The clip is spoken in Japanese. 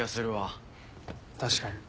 確かに。